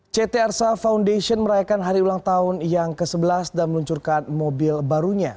ct arsa foundation merayakan hari ulang tahun yang ke sebelas dan meluncurkan mobil barunya